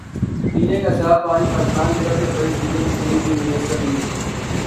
پینے کا صاف پانی پاکستان کے سب سے بڑے صوبے میں کہیں بھی میسر نہیں۔